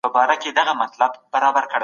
د لويي جرګې د غړو موټري چېرته درول کېږي؟